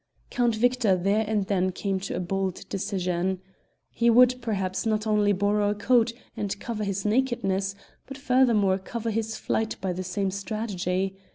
Count Victor there and then came to a bold decision. He would, perhaps, not only borrow a coat and cover his nakedness, but furthermore cover his flight by the same strategy.